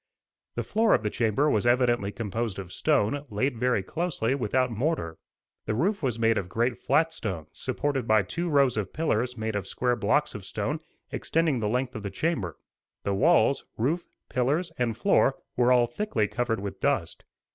The floor of the chamber was evidently composed of stone, laid very closely, without mortar. The roof was made of great flat stones, supported by two rows of pillars made of square blocks of stone, extending the length of the chamber. The walls, roof, pillars and floor were all thickly covered with dust.